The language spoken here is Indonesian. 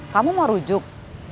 kamu mau rujuk